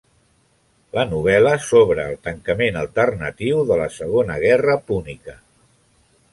La novel·la s'obre al tancament alternatiu de la Segona Guerra Púnica.